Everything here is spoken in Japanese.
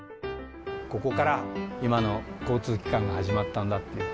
ここから今の交通機関が始まったんだっていう。